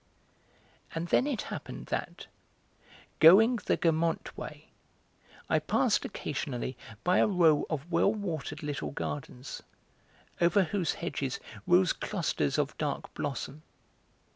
And then it happened that, going the 'Guermantes way,' I passed occasionally by a row of well watered little gardens, over whose hedges rose clusters of dark blossom.